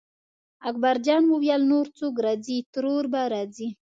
اکبرجان وویل نور څوک راځي ترور به راځي.